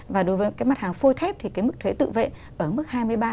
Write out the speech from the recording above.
và đối với cái mặt hàng phôi thép thì cái mức thuế tự vệ ở mức hai mươi ba